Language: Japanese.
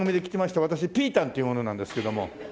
私ピータンっていう者なんですけども。